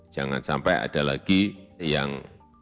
jangan sampai ada lagi yang